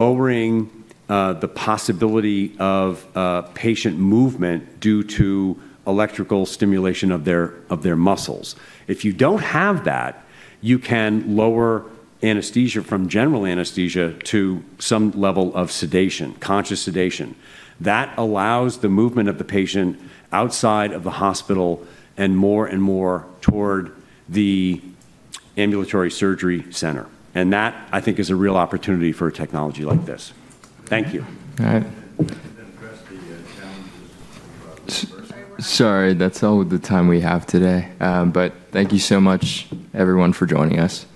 Lowering the possibility of patient movement due to electrical stimulation of their muscles. If you don't have that, you can lower anesthesia from general anesthesia to some level of sedation, conscious sedation. That allows the movement of the patient outside of the hospital and more and more toward the ambulatory surgery center. And that, I think, is a real opportunity for a technology like this. Thank you. All right. Sorry, that's all the time we have today, but thank you so much, everyone, for joining us.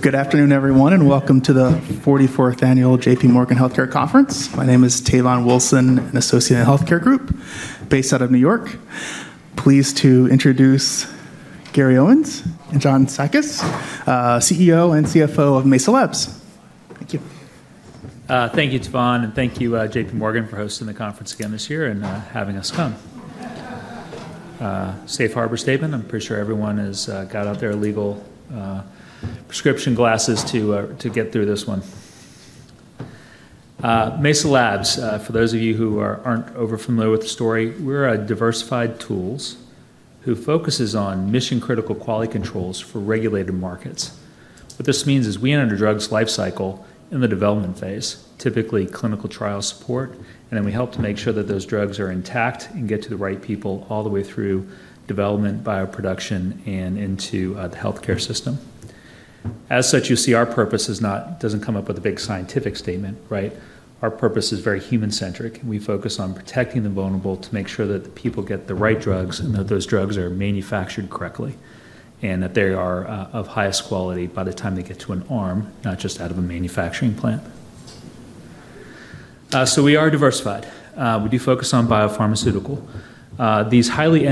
I think we got a spot pretty soon, but that means we have some better. Let's get these. All right. Thank you. Good afternoon, everyone, and welcome to the 44th Annual J.P. Morgan Healthcare Conference. My name is Teilan Wilson, an associate in the healthcare group based out of New York. Pleased to introduce Gary Owens and John Sakys, CEO and CFO of Mesa Labs. Thank you. Thank you, Teilan, and thank you, J.P. Morgan, for hosting the conference again this year and having us come. Safe harbor statement. I'm pretty sure everyone has got out their legal prescription glasses to get through this one. Mesa Labs, for those of you who aren't over-familiar with the story, we're a diversified tools who focuses on mission-critical quality controls for regulated markets. What this means is we enter drugs' life cycle in the development phase, typically clinical trial support, and then we help to make sure that those drugs are intact and get to the right people all the way through development, bioproduction, and into the healthcare system. As such, you see our purpose doesn't come up with a big scientific statement, right? Our purpose is very human-centric. We focus on protecting the vulnerable to make sure that people get the right drugs and that those drugs are manufactured correctly and that they are of highest quality by the time they get to an arm, not just out of a manufacturing plant. So we are diversified. We do focus on biopharmaceutical. These highly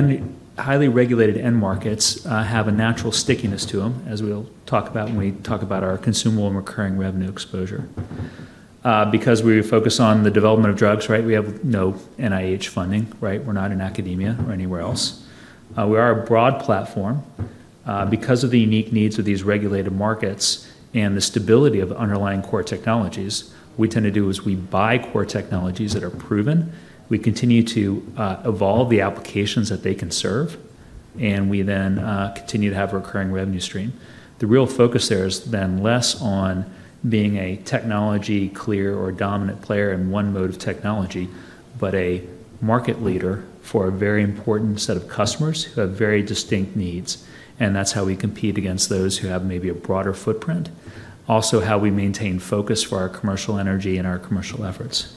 regulated end markets have a natural stickiness to them, as we'll talk about when we talk about our consumable and recurring revenue exposure. Because we focus on the development of drugs, right, we have no NIH funding, right? We're not in academia or anywhere else. We are a broad platform. Because of the unique needs of these regulated markets and the stability of underlying core technologies, what we tend to do is we buy core technologies that are proven. We continue to evolve the applications that they can serve, and we then continue to have a recurring revenue stream. The real focus there is then less on being a technology-pure or technology-leader or dominant player in one mode of technology, but a market leader for a very important set of customers who have very distinct needs. And that's how we compete against those who have maybe a broader footprint, also how we maintain focus for our commercial energy and our commercial efforts.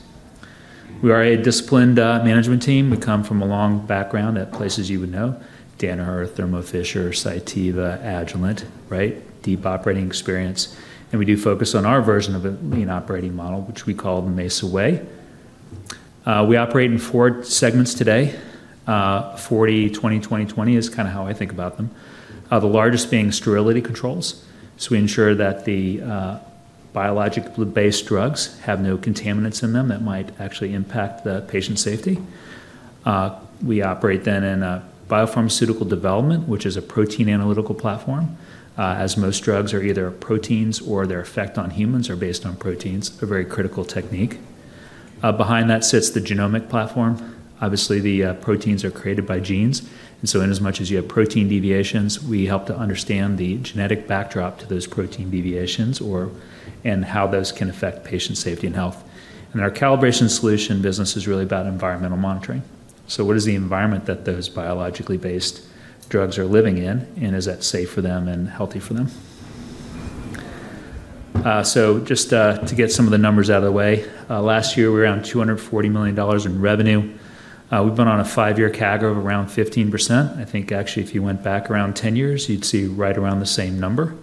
We are a disciplined management team. We come from a long background at places you would know: Danaher, Thermo Fisher, Cytiva, Agilent, right? Deep operating experience. And we do focus on our version of the operating model, which we call the Mesa Way. We operate in four segments today. 40, 20, 20, 20 is kind of how I think about them, the largest being sterility controls. So we ensure that the biologically-based drugs have no contaminants in them that might actually impact the patient's safety. We operate then in biopharmaceutical development, which is a protein analytical platform, as most drugs are either proteins or their effect on humans are based on proteins, a very critical technique. Behind that sits the genomic platform. Obviously, the proteins are created by genes. And so in as much as you have protein deviations, we help to understand the genetic backdrop to those protein deviations and how those can affect patient safety and health. And our calibration solution business is really about environmental monitoring. So what is the environment that those biologically-based drugs are living in, and is that safe for them and healthy for them? So just to get some of the numbers out of the way, last year we were around $240 million in revenue. We've been on a five-year CAGR of around 15%. I think actually if you went back around 10 years, you'd see right around the same number.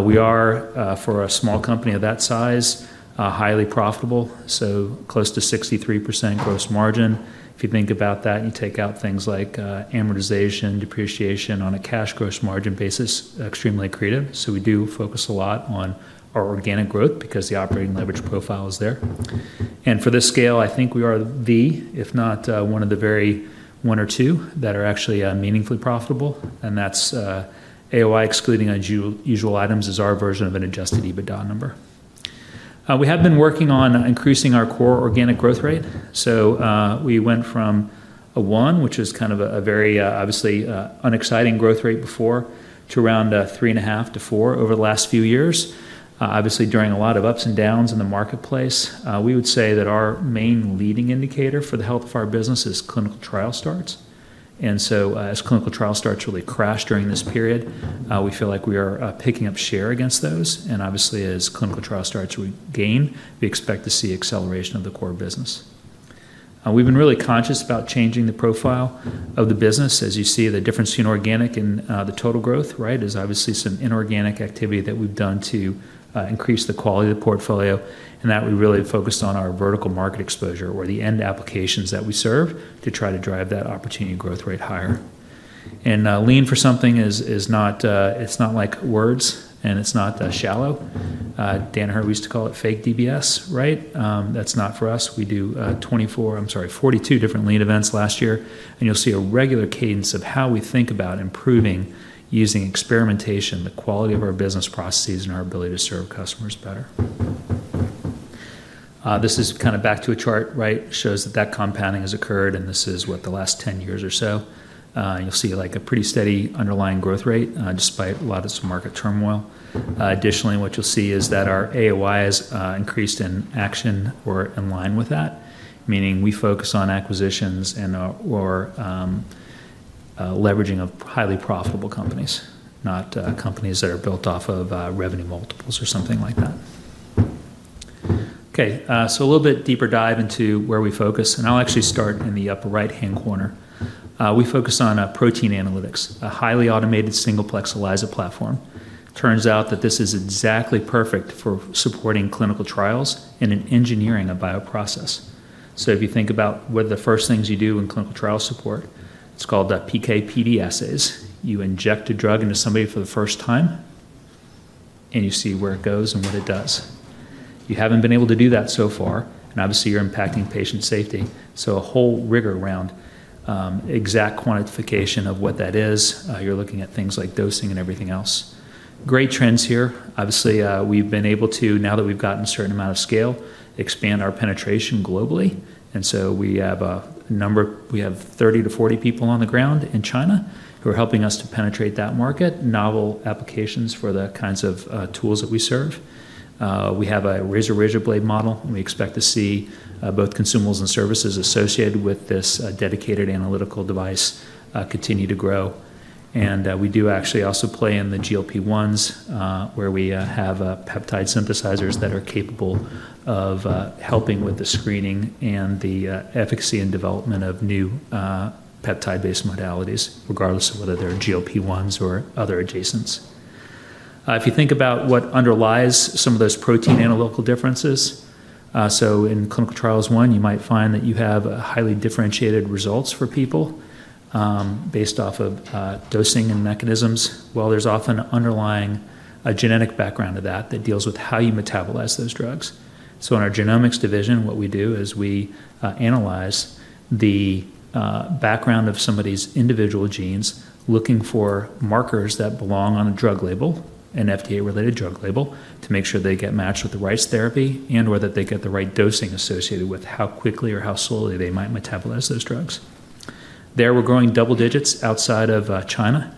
We are, for a small company of that size, highly profitable, so close to 63% gross margin. If you think about that and you take out things like amortization, depreciation on a cash gross margin basis, extremely attractive. So we do focus a lot on our organic growth because the operating leverage profile is there. And for this scale, I think we are the, if not one of the very one or two that are actually meaningfully profitable. And that's AOI excluding unusual items is our version of an adjusted EBITDA number. We have been working on increasing our core organic growth rate. So we went from a one, which was kind of a very obviously unexciting growth rate before, to around three and a half to four over the last few years, obviously during a lot of ups and downs in the marketplace. We would say that our main leading indicator for the health of our business is clinical trial starts. And so as clinical trial starts really crash during this period, we feel like we are picking up share against those. And obviously, as clinical trial starts gain, we expect to see acceleration of the core business. We've been really conscious about changing the profile of the business. As you see, the difference in organic and the total growth, right, is obviously some inorganic activity that we've done to increase the quality of the portfolio. That we really focused on our vertical market exposure or the end applications that we serve to try to drive that opportunity growth rate higher. Lean is not just words, and it's not shallow. Danaher used to call it fake DBS, right? That's not for us. We do 24, I'm sorry, 42 different lean events last year. You'll see a regular cadence of how we think about improving using experimentation, the quality of our business processes, and our ability to serve customers better. This is kind of back to a chart, right? It shows that that compounding has occurred, and this is what the last 10 years or so. You'll see like a pretty steady underlying growth rate despite a lot of this market turmoil. Additionally, what you'll see is that our AOI has increased in action or in line with that, meaning we focus on acquisitions and/or leveraging of highly profitable companies, not companies that are built off of revenue multiples or something like that. Okay, so a little bit deeper dive into where we focus. And I'll actually start in the upper right-hand corner. We focus on protein analytics, a highly automated single-plex ELISA platform. Turns out that this is exactly perfect for supporting clinical trials and in engineering a bioprocess. So if you think about what the first things you do in clinical trial support, it's called PKPD assays. You inject a drug into somebody for the first time, and you see where it goes and what it does. You haven't been able to do that so far, and obviously you're impacting patient safety. A whole rigor around exact quantification of what that is. You're looking at things like dosing and everything else. Great trends here. Obviously, we've been able to, now that we've gotten a certain amount of scale, expand our penetration globally. And so we have a number, we have 30 to 40 people on the ground in China who are helping us to penetrate that market, novel applications for the kinds of tools that we serve. We have a razor-blade model, and we expect to see both consumables and services associated with this dedicated analytical device continue to grow. And we do actually also play in the GLP-1s where we have peptide synthesizers that are capable of helping with the screening and the efficacy and development of new peptide-based modalities, regardless of whether they're GLP-1s or other adjacents. If you think about what underlies some of those protein analytical differences, so in clinical trials one, you might find that you have highly differentiated results for people based off of dosing and mechanisms. Well, there's often an underlying genetic background to that that deals with how you metabolize those drugs. So in our genomics division, what we do is we analyze the background of somebody's individual genes looking for markers that belong on a drug label, an FDA-related drug label, to make sure they get matched with the right therapy and/or that they get the right dosing associated with how quickly or how slowly they might metabolize those drugs. There we're growing double digits outside of China.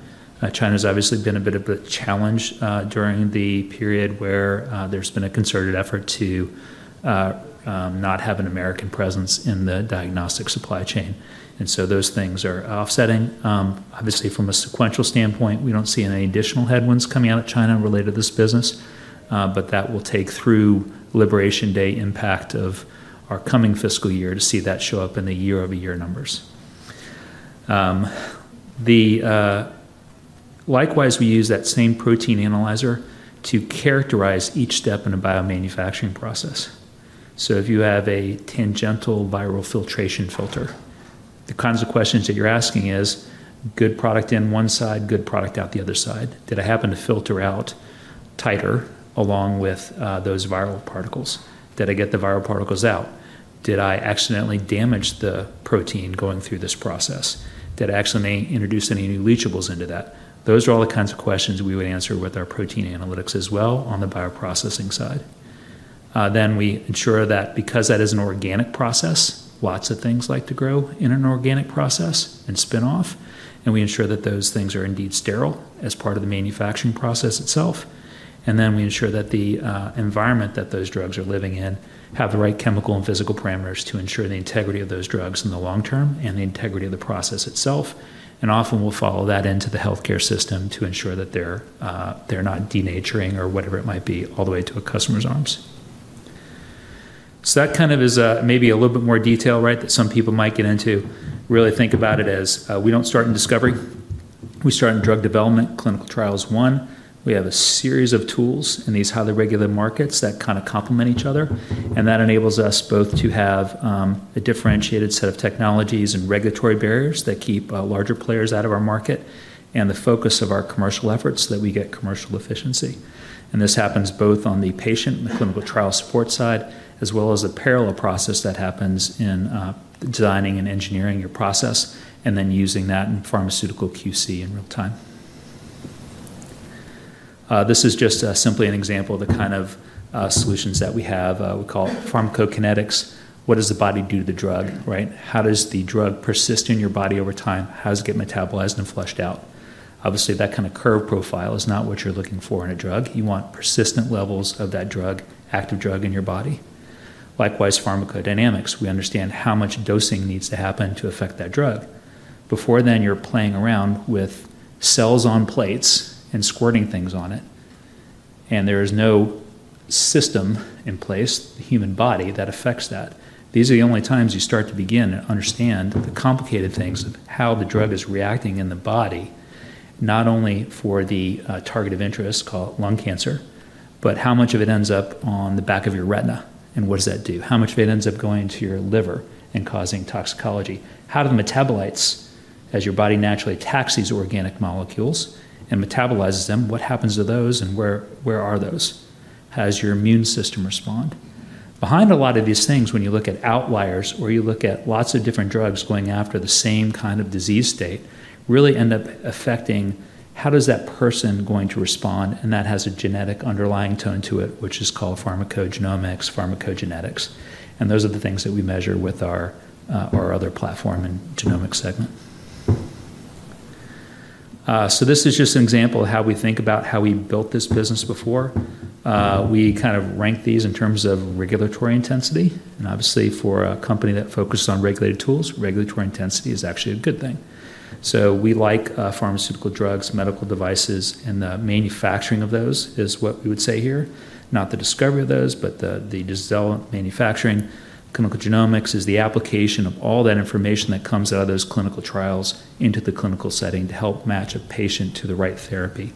China has obviously been a bit of a challenge during the period where there's been a concerted effort to not have an American presence in the diagnostic supply chain. And so those things are offsetting. Obviously, from a sequential standpoint, we don't see any additional headwinds coming out of China related to this business, but that will take through Liberation Day impact of our coming fiscal year to see that show up in the year-over-year numbers. Likewise, we use that same protein analyzer to characterize each step in a biomanufacturing process. So if you have a tangential viral filtration filter, the kinds of questions that you're asking is, good product in one side, good product out the other side. Did I happen to filter out tighter along with those viral particles? Did I get the viral particles out? Did I accidentally damage the protein going through this process? Did I accidentally introduce any new leachables into that? Those are all the kinds of questions we would answer with our protein analytics as well on the bioprocessing side. Then we ensure that because that is an organic process, lots of things like to grow in an organic process and spin off. And we ensure that those things are indeed sterile as part of the manufacturing process itself. And then we ensure that the environment that those drugs are living in have the right chemical and physical parameters to ensure the integrity of those drugs in the long term and the integrity of the process itself. And often we'll follow that into the healthcare system to ensure that they're not denaturing or whatever it might be all the way to a customer's arms. So that kind of is maybe a little bit more detail, right, that some people might get into. Really think about it as we don't start in discovery. We start in drug development, clinical trials one. We have a series of tools in these highly regulated markets that kind of complement each other, and that enables us both to have a differentiated set of technologies and regulatory barriers that keep larger players out of our market and the focus of our commercial efforts so that we get commercial efficiency, and this happens both on the patient and the clinical trial support side, as well as a parallel process that happens in designing and engineering your process and then using that in pharmaceutical QC in real time. This is just simply an example of the kind of solutions that we have. We call it pharmacokinetics. What does the body do to the drug, right? How does the drug persist in your body over time? How does it get metabolized and flushed out? Obviously, that kind of curve profile is not what you're looking for in a drug. You want persistent levels of that drug, active drug in your body. Likewise, pharmacodynamics. We understand how much dosing needs to happen to affect that drug. Before then, you're playing around with cells on plates and squirting things on it, and there is no system in place, the human body, that affects that. These are the only times you start to begin and understand the complicated things of how the drug is reacting in the body, not only for the target of interest called lung cancer, but how much of it ends up on the back of your retina and what does that do? How much of it ends up going to your liver and causing toxicology? How do the metabolites, as your body naturally attacks these organic molecules and metabolizes them, what happens to those and where are those? How does your immune system respond? Behind a lot of these things, when you look at outliers or you look at lots of different drugs going after the same kind of disease state, really end up affecting how does that person going to respond? And that has a genetic underlying tone to it, which is called pharmacogenomics, pharmacogenetics. And those are the things that we measure with our other platform in genomics segment. So this is just an example of how we think about how we built this business before. We kind of rank these in terms of regulatory intensity. And obviously, for a company that focuses on regulated tools, regulatory intensity is actually a good thing. So we like pharmaceutical drugs, medical devices, and the manufacturing of those is what we would say here. Not the discovery of those, but the development, manufacturing. Clinical genomics is the application of all that information that comes out of those clinical trials into the clinical setting to help match a patient to the right therapy,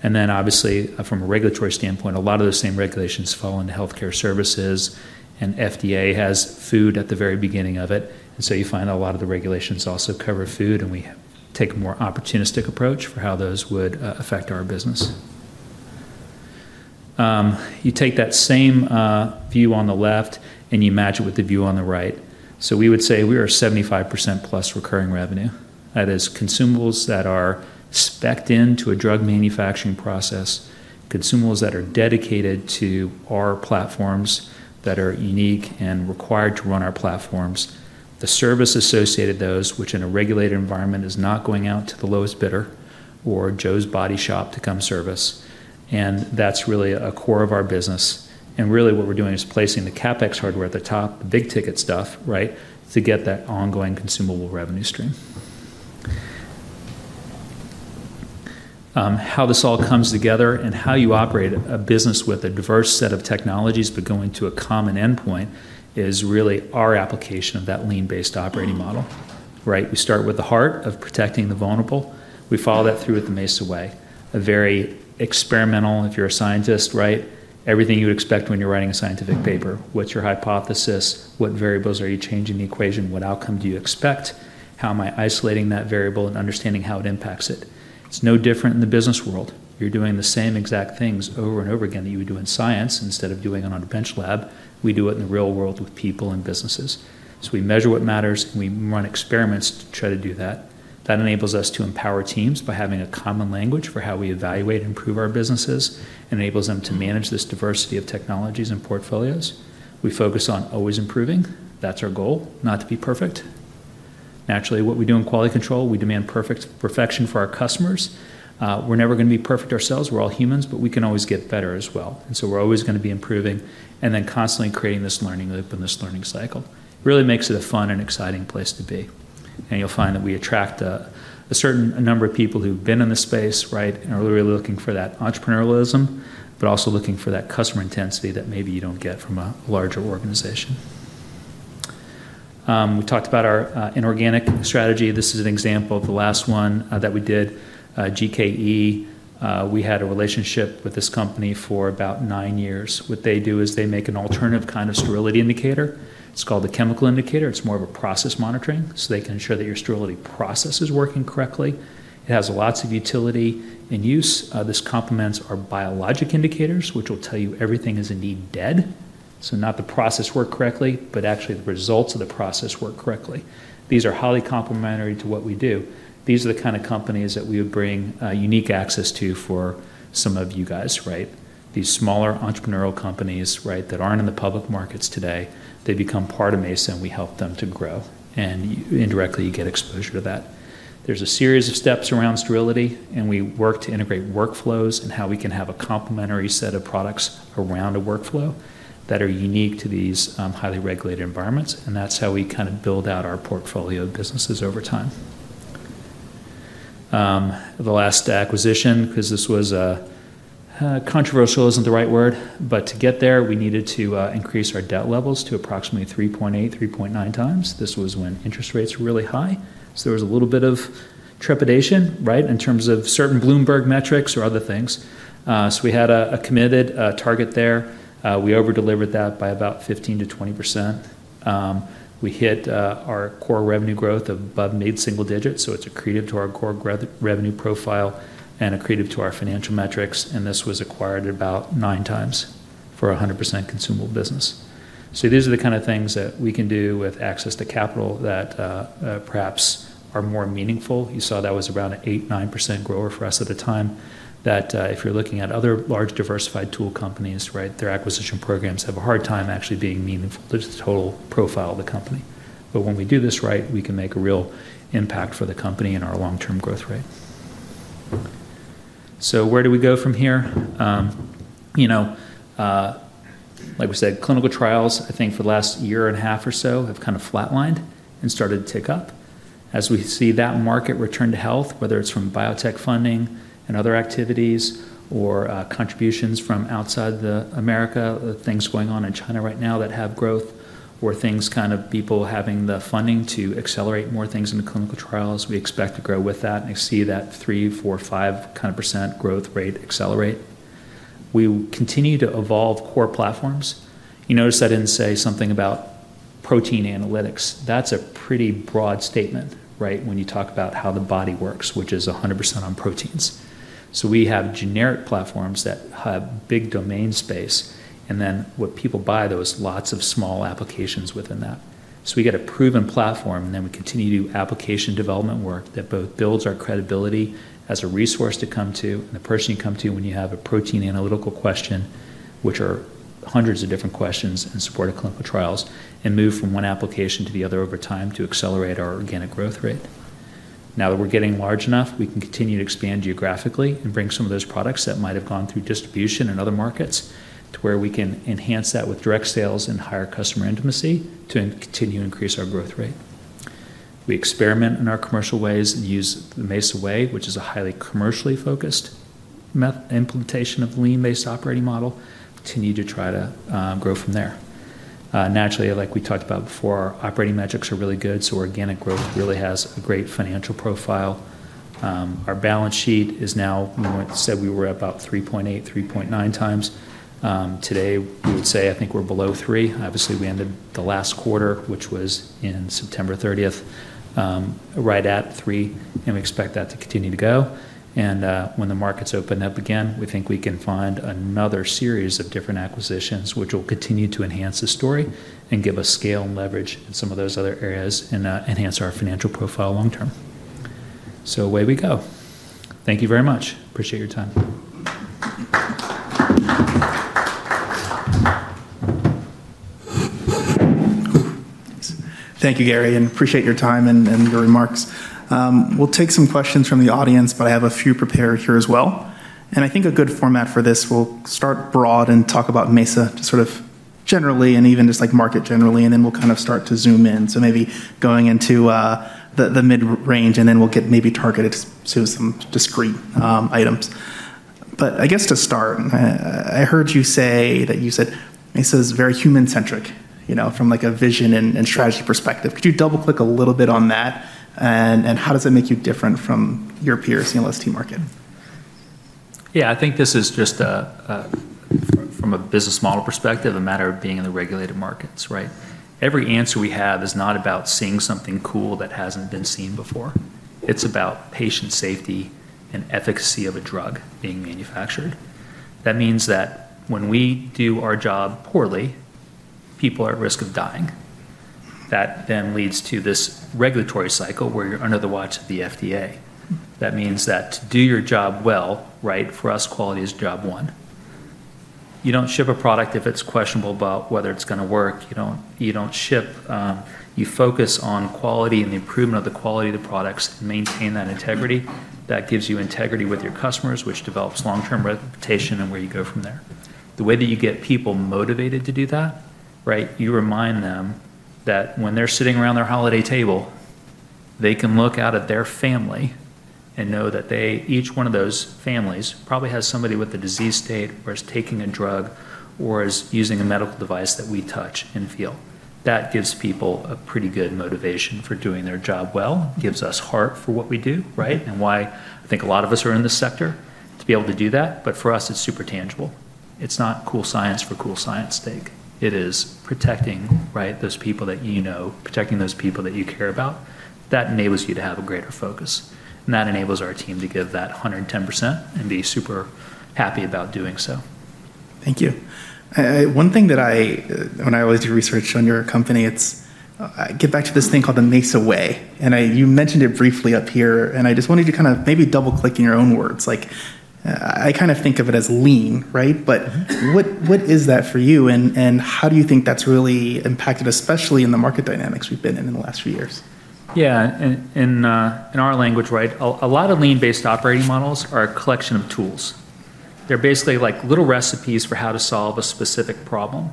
and then obviously, from a regulatory standpoint, a lot of the same regulations fall into healthcare services. And FDA has food at the very beginning of it, and so you find a lot of the regulations also cover food, and we take a more opportunistic approach for how those would affect our business. You take that same view on the left and you match it with the view on the right, so we would say we are 75% plus recurring revenue. That is consumables that are specced into a drug manufacturing process, consumables that are dedicated to our platforms that are unique and required to run our platforms, the service associated with those, which in a regulated environment is not going out to the lowest bidder or Joe's Body Shop to come service. That's really a core of our business. Really what we're doing is placing the CapEx hardware at the top, the big ticket stuff, right, to get that ongoing consumable revenue stream. How this all comes together and how you operate a business with a diverse set of technologies but going to a common endpoint is really our application of that lean-based operating model, right? We start with the heart of protecting the vulnerable. We follow that through with the Mesa Way, a very experimental, if you're a scientist, right, everything you would expect when you're writing a scientific paper. What's your hypothesis? What variables are you changing the equation? What outcome do you expect? How am I isolating that variable and understanding how it impacts it? It's no different in the business world. You're doing the same exact things over and over again that you would do in science instead of doing it on a bench lab. We do it in the real world with people and businesses. So we measure what matters, and we run experiments to try to do that. That enables us to empower teams by having a common language for how we evaluate and improve our businesses and enables them to manage this diversity of technologies and portfolios. We focus on always improving. That's our goal, not to be perfect. Naturally, what we do in quality control, we demand perfection for our customers. We're never going to be perfect ourselves. We're all humans, but we can always get better as well. And so we're always going to be improving and then constantly creating this learning loop and this learning cycle. It really makes it a fun and exciting place to be. And you'll find that we attract a certain number of people who've been in the space, right, and are really looking for that entrepreneurialism, but also looking for that customer intensity that maybe you don't get from a larger organization. We talked about our inorganic strategy. This is an example of the last one that we did, GKE. We had a relationship with this company for about nine years. What they do is they make an alternative kind of sterility indicator. It's called the chemical indicator. It's more of a process monitoring so they can ensure that your sterility process is working correctly. It has lots of utility and use. This complements our biological indicators, which will tell you everything is indeed dead. So not the process worked correctly, but actually the results of the process worked correctly. These are highly complementary to what we do. These are the kind of companies that we would bring unique access to for some of you guys, right? These smaller entrepreneurial companies, right, that aren't in the public markets today, they become part of Mesa, and we help them to grow, and indirectly, you get exposure to that. There's a series of steps around sterility, and we work to integrate workflows and how we can have a complementary set of products around a workflow that are unique to these highly regulated environments. That's how we kind of build out our portfolio of businesses over time. The last acquisition, because this was controversial isn't the right word, but to get there, we needed to increase our debt levels to approximately 3.8-3.9 times. This was when interest rates were really high. So there was a little bit of trepidation, right, in terms of certain Bloomberg metrics or other things. So we had a committed target there. We over-delivered that by about 15%-20%. We hit our core revenue growth above mid-single digits. So it's accretive to our core revenue profile and accretive to our financial metrics. And this was acquired about nine times for a 100% consumable business. So these are the kind of things that we can do with access to capital that perhaps are more meaningful. You saw that was around an 8-9% grower for us at the time. That if you're looking at other large diversified tool companies, right, their acquisition programs have a hard time actually being meaningful to the total profile of the company. But when we do this right, we can make a real impact for the company and our long-term growth rate. So where do we go from here? Like we said, clinical trials, I think for the last year and a half or so, have kind of flatlined and started to tick up. As we see that market return to health, whether it's from biotech funding and other activities or contributions from outside of America, things going on in China right now that have growth, or things kind of people having the funding to accelerate more things in the clinical trials, we expect to grow with that and see that three, four, five kind of % growth rate accelerate. We continue to evolve core platforms. You notice that in, say, something about protein analytics. That's a pretty broad statement, right, when you talk about how the body works, which is 100% on proteins. So we have generic platforms that have big domain space, and then what people buy, those lots of small applications within that. So we get a proven platform, and then we continue to do application development work that both builds our credibility as a resource to come to and the person you come to when you have a protein analytical question, which are hundreds of different questions and supported clinical trials, and move from one application to the other over time to accelerate our organic growth rate. Now that we're getting large enough, we can continue to expand geographically and bring some of those products that might have gone through distribution in other markets to where we can enhance that with direct sales and higher customer intimacy to continue to increase our growth rate. We experiment in our commercial ways and use the Mesa Way, which is a highly commercially focused implementation of the lean-based operating model, continue to try to grow from there. Naturally, like we talked about before, our operating metrics are really good, so organic growth really has a great financial profile. Our balance sheet is now, we said we were about 3.8, 3.9 times. Today, we would say I think we're below 3. Obviously, we ended the last quarter, which was in September 30th, right at 3, and we expect that to continue to go, and when the markets open up again, we think we can find another series of different acquisitions, which will continue to enhance the story and give us scale and leverage in some of those other areas and enhance our financial profile long term, so away we go. Thank you very much. Appreciate your time. Thank you, Gary, and appreciate your time and your remarks. We'll take some questions from the audience, but I have a few prepared here as well. And I think a good format for this. We'll start broad and talk about Mesa just sort of generally and even just like market generally, and then we'll kind of start to zoom in, so maybe going into the mid-range, and then we'll get maybe targeted to some discrete items, but I guess to start, I heard you say that you said Mesa is very human-centric from like a vision and strategy perspective. Could you double-click a little bit on that, and how does it make you different from your peers in the LST market? Yeah, I think this is just from a business model perspective, a matter of being in the regulated markets, right? Every answer we have is not about seeing something cool that hasn't been seen before. It's about patient safety and efficacy of a drug being manufactured. That means that when we do our job poorly, people are at risk of dying. That then leads to this regulatory cycle where you're under the watch of the FDA. That means that to do your job well, right, for us, quality is job one. You don't ship a product if it's questionable about whether it's going to work. You don't ship. You focus on quality and the improvement of the quality of the products and maintain that integrity. That gives you integrity with your customers, which develops long-term reputation and where you go from there. The way that you get people motivated to do that, right? You remind them that when they're sitting around their holiday table, they can look out at their family and know that each one of those families probably has somebody with a disease state where it's taking a drug or is using a medical device that we touch and feel. That gives people a pretty good motivation for doing their job well, gives us heart for what we do, right, and why I think a lot of us are in this sector to be able to do that. But for us, it's super tangible. It's not cool science for cool science's sake. It is protecting, right, those people that you know, protecting those people that you care about. That enables you to have a greater focus. That enables our team to give that 110% and be super happy about doing so. Thank you. One thing that I, when I was researching your company, let's get back to this thing called the Mesa Way, and you mentioned it briefly up here, and I just wanted you to kind of maybe double-click in your own words. I kind of think of it as lean, right? But what is that for you, and how do you think that's really impacted, especially in the market dynamics we've been in in the last few years? Yeah, in our language, right, a lot of lean-based operating models are a collection of tools. They're basically like little recipes for how to solve a specific problem.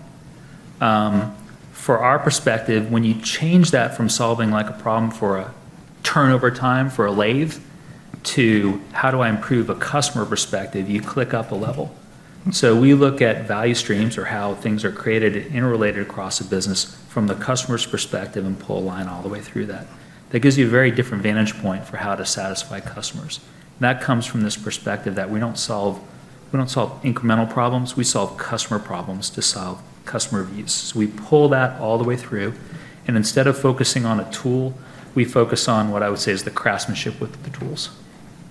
For our perspective, when you change that from solving like a problem for a turnover time for a lathe to how do I improve a customer perspective, you click up a level. So we look at value streams or how things are created interrelated across a business from the customer's perspective and pull a line all the way through that. That gives you a very different vantage point for how to satisfy customers. That comes from this perspective that we don't solve incremental problems. We solve customer problems to solve customer views. So we pull that all the way through. And instead of focusing on a tool, we focus on what I would say is the craftsmanship with the tools,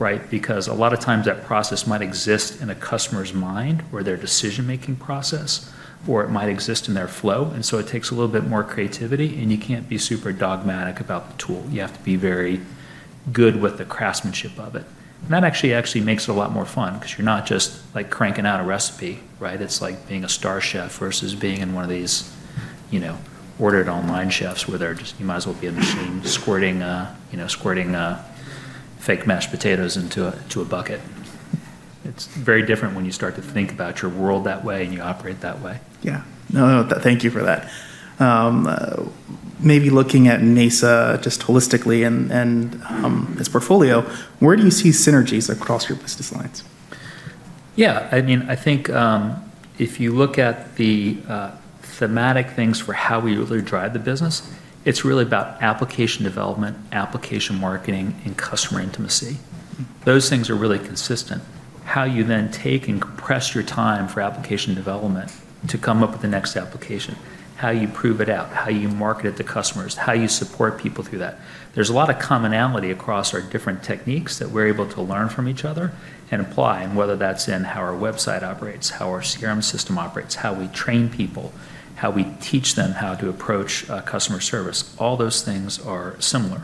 right? Because a lot of times that process might exist in a customer's mind or their decision-making process, or it might exist in their flow. And so it takes a little bit more creativity, and you can't be super dogmatic about the tool. You have to be very good with the craftsmanship of it. And that actually makes it a lot more fun because you're not just like cranking out a recipe, right? It's like being a star chef versus being in one of these ordered online chefs where you might as well be a machine squirting fake mashed potatoes into a bucket. It's very different when you start to think about your world that way and you operate that way. Yeah. No, thank you for that. Maybe looking at Mesa just holistically and its portfolio, where do you see synergies across your business lines? Yeah. I mean, I think if you look at the thematic things for how we really drive the business, it's really about application development, application marketing, and customer intimacy. Those things are really consistent. How you then take and compress your time for application development to come up with the next application, how you prove it out, how you market it to customers, how you support people through that. There's a lot of commonality across our different techniques that we're able to learn from each other and apply, and whether that's in how our website operates, how our CRM system operates, how we train people, how we teach them how to approach customer service. All those things are similar,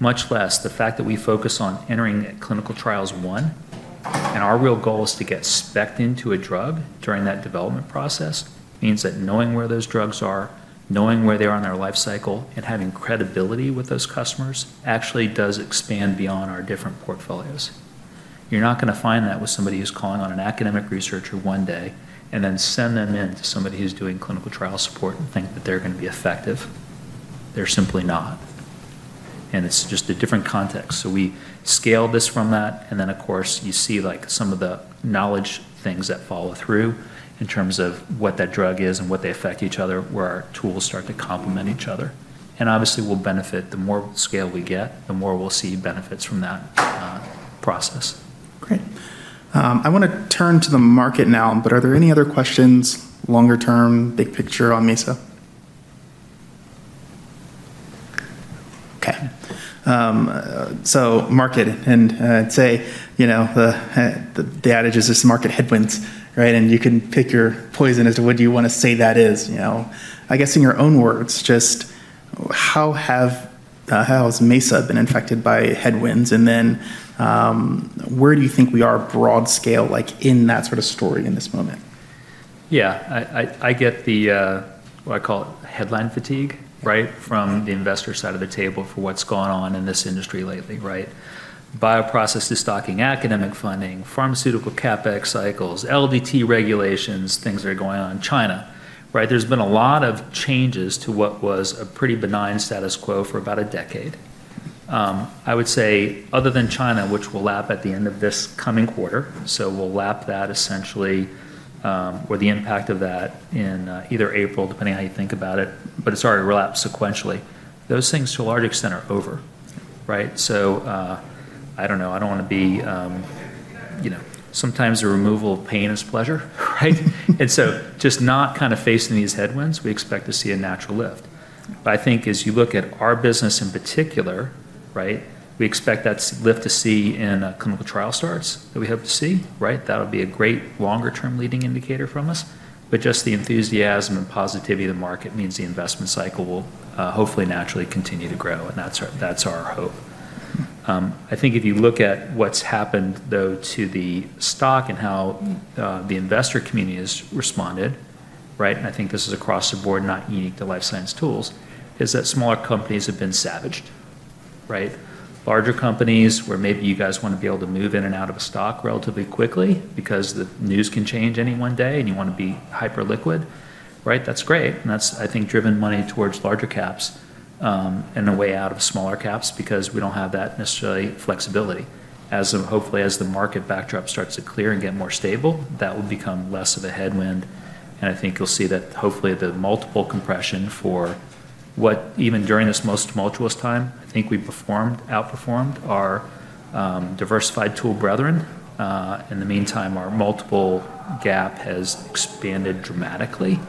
much less the fact that we focus on entering Phase One clinical trials, and our real goal is to get spec'd into a drug during that development process means that knowing where those drugs are, knowing where they are on their life cycle, and having credibility with those customers actually does expand beyond our different portfolios. You're not going to find that with somebody who's calling on an academic researcher one day and then send them in to somebody who's doing clinical trial support and think that they're going to be effective. They're simply not, and it's just a different context, so we scale this from that, and then, of course, you see some of the knowledge things that follow through in terms of what that drug is and what they affect each other, where our tools start to complement each other. And obviously, we'll benefit the more scale we get, the more we'll see benefits from that process. Great. I want to turn to the market now, but are there any other questions longer term, big picture on Mesa? Okay, so market, and I'd say the adage is this market headwinds, right? And you can pick your poison as to what do you want to say that is. I guess in your own words, just how has Mesa been infected by headwinds, and then where do you think we are broad scale in that sort of story in this moment? Yeah. I get the, what I call it, headline fatigue, right, from the investor side of the table for what's going on in this industry lately, right? Bioprocess destocking, academic funding, pharmaceutical CapEx cycles, LDT regulations, things that are going on in China, right? There's been a lot of changes to what was a pretty benign status quo for about a decade. I would say, other than China, which will lap at the end of this coming quarter, so we'll lap that essentially, or the impact of that in either April, depending on how you think about it, but it's already lapped sequentially. Those things, to a large extent, are over, right? So I don't know. I don't want to be sometimes the removal of pain is pleasure, right? And so just not kind of facing these headwinds, we expect to see a natural lift. But I think as you look at our business in particular, right, we expect that lift to see in clinical trial starts that we hope to see, right? That'll be a great longer-term leading indicator from us. But just the enthusiasm and positivity of the market means the investment cycle will hopefully naturally continue to grow, and that's our hope. I think if you look at what's happened, though, to the stock and how the investor community has responded, right? And I think this is across the board, not unique to life science tools, is that smaller companies have been savaged, right? Larger companies where maybe you guys want to be able to move in and out of a stock relatively quickly because the news can change any one day and you want to be hyperliquid, right? That's great. And that's, I think, driven money towards larger caps and a way out of smaller caps because we don't have that necessarily flexibility. As hopefully as the market backdrop starts to clear and get more stable, that will become less of a headwind. And I think you'll see that hopefully the multiple compression for what even during this most tumultuous time, I think we performed, outperformed our diversified tool brethren. In the meantime, our multiple gap has expanded dramatically,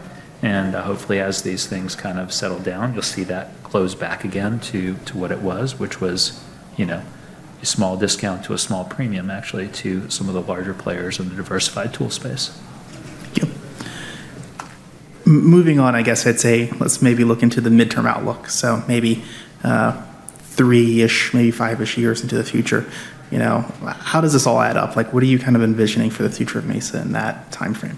and hopefully, as these things kind of settle down, you'll see that close back again to what it was, which was a small discount to a small premium, actually, to some of the larger players in the diversified tool space. Thank you. Moving on, I guess I'd say let's maybe look into the midterm outlook, so maybe three-ish, maybe five-ish years into the future. How does this all add up? What are you kind of envisioning for the future of Mesa in that timeframe?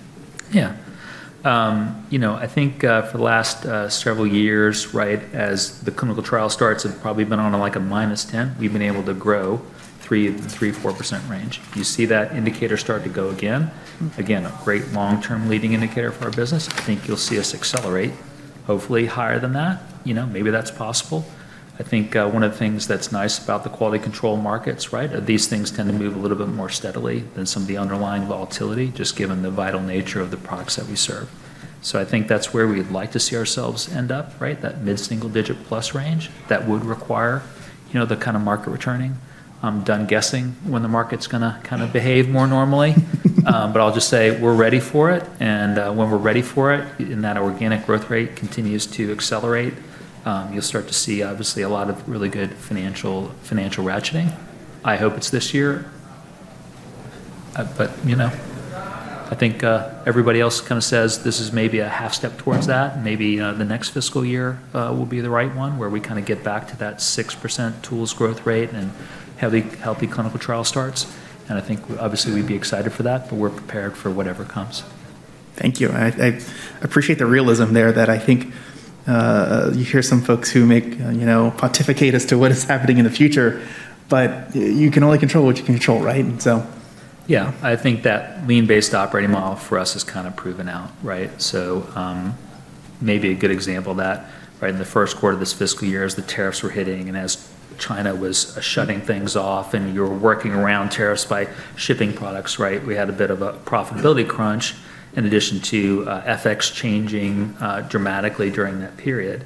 Yeah. I think for the last several years, right, as the clinical trial starts, it's probably been on a minus 10%. We've been able to grow 3%-4% range. You see that indicator start to go again. Again, a great long-term leading indicator for our business. I think you'll see us accelerate, hopefully, higher than that. Maybe that's possible. I think one of the things that's nice about the quality control markets, right, are these things tend to move a little bit more steadily than some of the underlying volatility, just given the vital nature of the products that we serve. So I think that's where we'd like to see ourselves end up, right? That mid-single-digit plus range that would require the kind of market returning. I'm done guessing when the market's going to kind of behave more normally, but I'll just say we're ready for it. And when we're ready for it, and that organic growth rate continues to accelerate, you'll start to see, obviously, a lot of really good financial ratcheting. I hope it's this year. But I think everybody else kind of says this is maybe a half step towards that. Maybe the next fiscal year will be the right one where we kind of get back to that 6% tools growth rate and healthy clinical trial starts. And I think, obviously, we'd be excited for that, but we're prepared for whatever comes. Thank you. I appreciate the realism there that I think you hear some folks who pontificate as to what is happening in the future, but you can only control what you can control, right? And so. Yeah. I think that lean-based operating model for us has kind of proven out, right? So maybe a good example of that, right, in the first quarter of this fiscal year as the tariffs were hitting and as China was shutting things off and you were working around tariffs by shipping products, right? We had a bit of a profitability crunch in addition to FX changing dramatically during that period.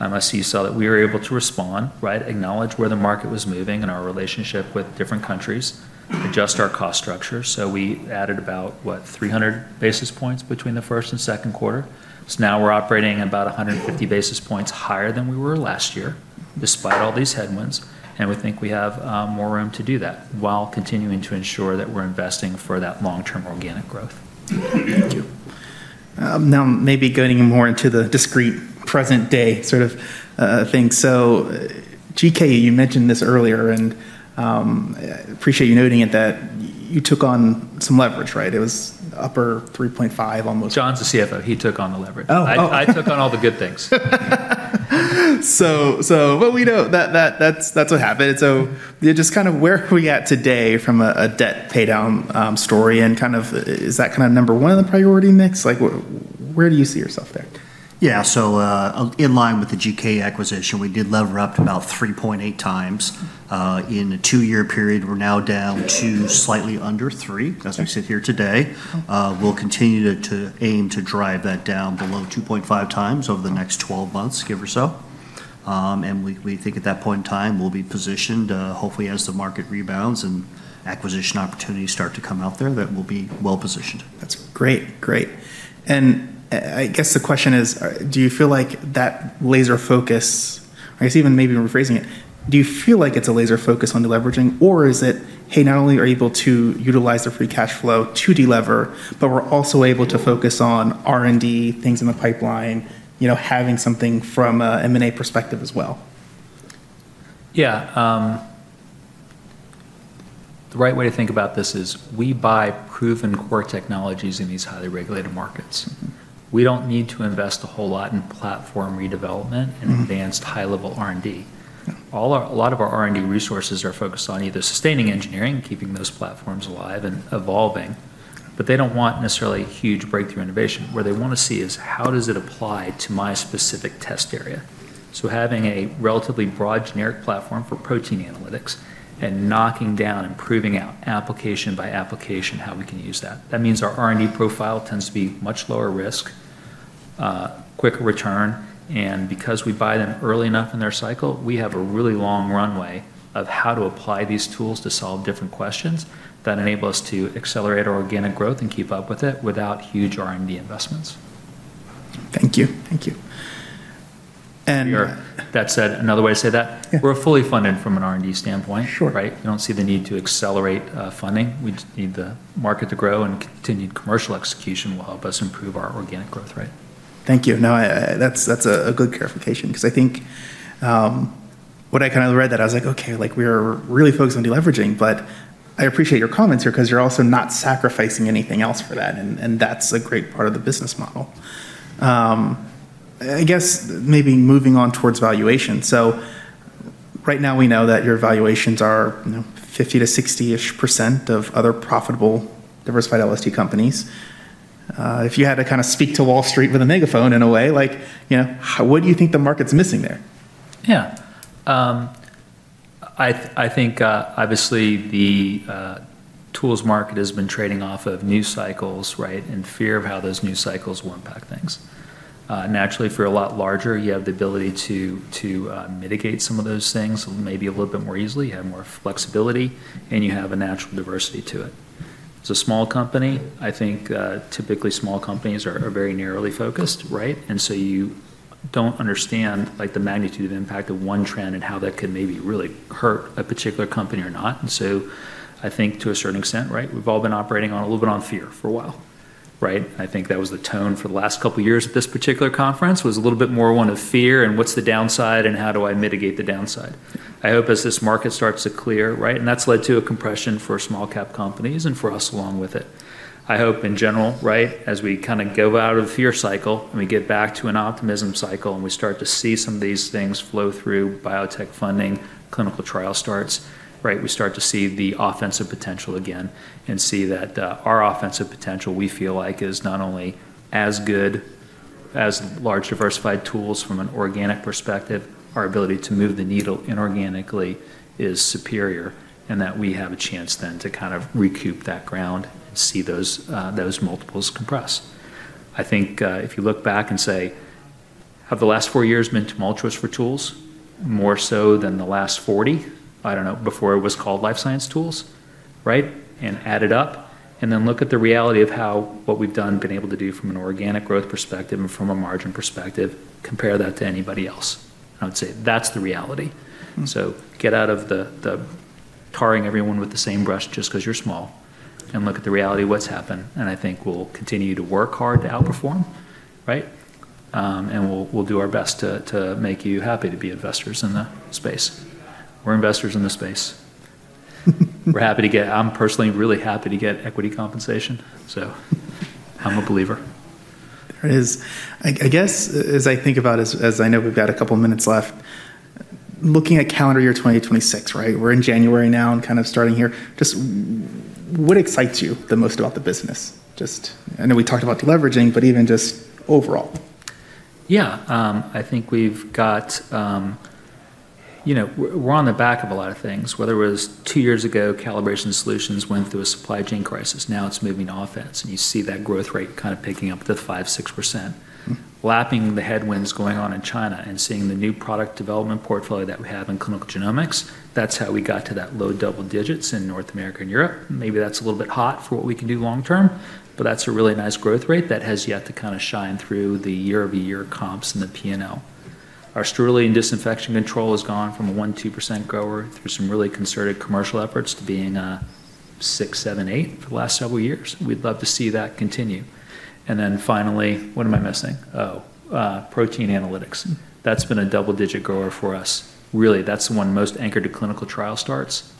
I see you saw that we were able to respond, right, acknowledge where the market was moving and our relationship with different countries, adjust our cost structure. So we added about, what, 300 basis points between the first and second quarter. So now we're operating about 150 basis points higher than we were last year, despite all these headwinds. We think we have more room to do that while continuing to ensure that we're investing for that long-term organic growth. Thank you. Now, maybe getting more into the discrete present-day sort of thing. GK, you mentioned this earlier, and I appreciate you noting it that you took on some leverage, right? It was upper 3.5 almost. John's the CFO. He took on the leverage. Oh, I took on all the good things. So but we know that's what happened. So just kind of where are we at today from a debt paydown story? And kind of is that kind of number one in the priority mix? Where do you see yourself there? Yeah. So in line with the GK acquisition, we did lever up to about 3.8 times. In a two-year period, we're now down to slightly under 3 as we sit here today. We'll continue to aim to drive that down below 2.5 times over the next 12 months, give or so. And we think at that point in time, we'll be positioned hopefully as the market rebounds and acquisition opportunities start to come out there, that we'll be well positioned. That's great. Great. I guess the question is, do you feel like that laser focus, I guess even maybe rephrasing it, do you feel like it's a laser focus on the deleveraging, or is it, hey, not only are you able to utilize the free cash flow to delever, but we're also able to focus on R&D, things in the pipeline, having something from an M&A perspective as well? Yeah. The right way to think about this is we buy proven core technologies in these highly regulated markets. We don't need to invest a whole lot in platform redevelopment and advanced high-level R&D. A lot of our R&D resources are focused on either sustaining engineering, keeping those platforms alive and evolving, but they don't want necessarily huge breakthrough innovation. Where they want to see is how does it apply to my specific test area? Having a relatively broad generic platform for protein analytics and knocking down, improving our application by application how we can use that. That means our R&D profile tends to be much lower risk, quicker return. Because we buy them early enough in their cycle, we have a really long runway of how to apply these tools to solve different questions that enable us to accelerate our organic growth and keep up with it without huge R&D investments. Thank you. Thank you. That said, another way to say that, we're fully funded from an R&D standpoint, right? We don't see the need to accelerate funding. We just need the market to grow, and continued commercial execution will help us improve our organic growth rate. Thank you. No, that's a good clarification because I think when I kind of read that, I was like, "Okay, we're really focused on deleveraging," but I appreciate your comments here because you're also not sacrificing anything else for that, and that's a great part of the business model. I guess maybe moving on towards valuation. So right now, we know that your valuations are 50%-60%-ish of other profitable diversified LST companies. If you had to kind of speak to Wall Street with a megaphone in a way, what do you think the market's missing there? Yeah. I think, obviously, the tools market has been trading off of new cycles, right, and fear of how those new cycles will impact things. Naturally, if you're a lot larger, you have the ability to mitigate some of those things maybe a little bit more easily. You have more flexibility, and you have a natural diversity to it. As a small company, I think typically small companies are very narrowly focused, right? And so you don't understand the magnitude of impact of one trend and how that could maybe really hurt a particular company or not. And so I think to a certain extent, right, we've all been operating a little bit on fear for a while, right? I think that was the tone for the last couple of years at this particular conference was a little bit more one of fear and what's the downside and how do I mitigate the downside. I hope as this market starts to clear, right, and that's led to a compression for small-cap companies and for us along with it. I hope in general, right, as we kind of go out of the fear cycle and we get back to an optimism cycle and we start to see some of these things flow through biotech funding, clinical trial starts, right, we start to see the offensive potential again and see that our offensive potential, we feel like, is not only as good as large diversified tools from an organic perspective, our ability to move the needle inorganically is superior and that we have a chance then to kind of recoup that ground and see those multiples compress. I think if you look back and say, have the last four years been tumultuous for tools more so than the last 40? I don't know, before it was called life science tools, right? Add it up and then look at the reality of how what we've done been able to do from an organic growth perspective and from a margin perspective, compare that to anybody else. I would say that's the reality. Get out of tarring everyone with the same brush just because you're small and look at the reality of what's happened. I think we'll continue to work hard to outperform, right? We'll do our best to make you happy to be investors in the space. We're investors in the space. We're happy to get. I'm personally really happy to get equity compensation. So I'm a believer. There it is. I guess as I think about it, as I know we've got a couple of minutes left, looking at calendar year 2026, right? We're in January now and kind of starting here. Just what excites you the most about the business? Just I know we talked about deleveraging, but even just overall. Yeah. I think we've got we're on the back of a lot of things. Whether it was two years ago, Calibration Solutions went through a supply chain crisis. Now it's moving to offense. And you see that growth rate kind of picking up to 5-6%. Lapping the headwinds going on in China and seeing the new product development portfolio that we have in clinical genomics, that's how we got to that low double digits in North America and Europe. Maybe that's a little bit hot for what we can do long-term, but that's a really nice growth rate that has yet to kind of shine through the year-over-year comps and the P&L. Our Sterlization disinfection control has gone from a 1-2% grower through some really concerted commercial efforts to being a 6-8% for the last several years. We'd love to see that continue. And then finally, what am I missing? Oh, protein analytics. That's been a double-digit grower for us. Really, that's the one most anchored to clinical trial starts.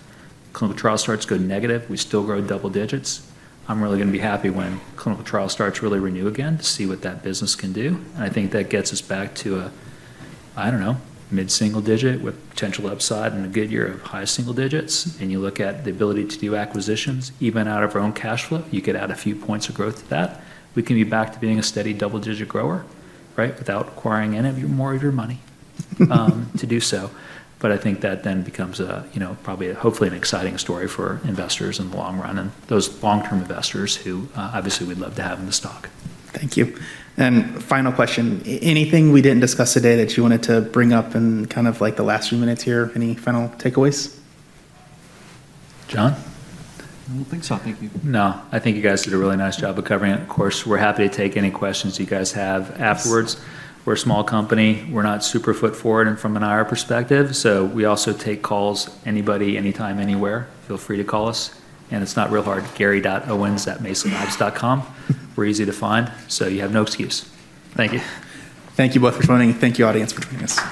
Clinical trial starts go negative. We still grow double digits. I'm really going to be happy when clinical trial starts really renew again to see what that business can do. And I think that gets us back to a, I don't know, mid-single-digit with potential upside and a good year of high single digits. And you look at the ability to do acquisitions, even out of our own cash flow, you get out a few points of growth to that. We can be back to being a steady double-digit grower, right, without requiring any more of your money to do so. But I think that then becomes probably, hopefully, an exciting story for investors in the long run and those long-term investors who obviously we'd love to have in the stock. Thank you. And final question. Anything we didn't discuss today that you wanted to bring up in kind of the last few minutes here? Any final takeaways? John? I don't think so. Thank you. No. I think you guys did a really nice job of covering it. Of course, we're happy to take any questions you guys have afterwards. We're a small company. We're not super foot forward from an IR perspective. So we also take calls, anybody, anytime, anywhere. Feel free to call us. And it's not real hard. Gary.Owens@mesalabs.com. We're easy to find. So you have no excuse. Thank you. Thank you both for joining. Thank you, audience, for joining us.